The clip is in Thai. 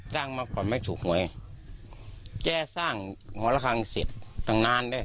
มาก่อนไม่ถูกหวยแกสร้างหอละครั้งเสร็จตั้งนานเลย